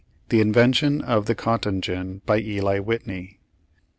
the inven tion of the cotton gin by Eli Whitney.